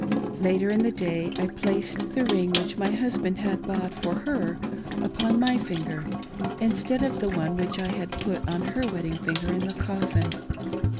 Later in the day, I placed the ring which my husband had bought for her upon my finger, instead of the one which I had put on her wedding finger in the coffin.